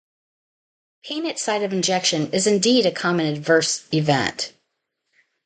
Pain at site of injection is indeed a common adverse event.